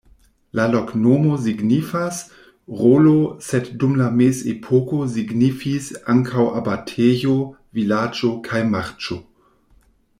La loknomo signifas: rolo, sed dum la mezepoko signifis ankaŭ abatejo, vilaĝo kaj marĉo.